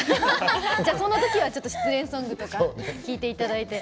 そのときは失恋ソングとか聴いていただいて。